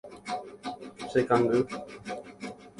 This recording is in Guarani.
Chekangy.